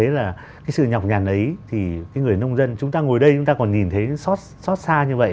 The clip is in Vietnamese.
đấy là cái sự nhọc nhằn ấy thì cái người nông dân chúng ta ngồi đây chúng ta còn nhìn thấy xót xót xa như vậy